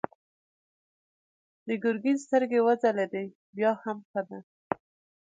د ګرګين سترګې وځلېدې: بيا هم ښه ده.